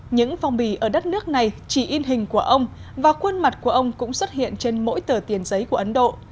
những phong bì ở đất nước này chỉ in hình của ông và khuôn mặt của ông cũng xuất hiện trên mỗi tờ tiền giấy của ấn độ